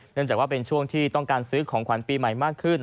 จากว่าเป็นช่วงที่ต้องการซื้อของขวัญปีใหม่มากขึ้น